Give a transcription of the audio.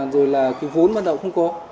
rồi là cái vốn bắt đầu cũng không có